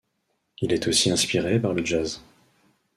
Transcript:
Il est aussi inspiré par le jazz.